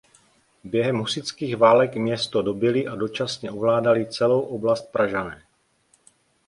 Během husitských válek město dobyli a dočasně ovládali celou oblast pražané.